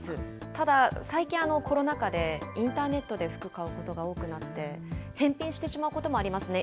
ただ、最近、コロナ禍でインターネットで服買うことが多くなって、返品してしまうこともありますね。